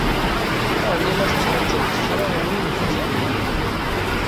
Ɛni la tettṛajumt kra n yinebgi?